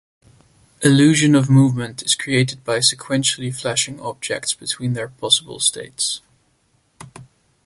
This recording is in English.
Illusion of movement is created by sequentially flashing objects between their possible states.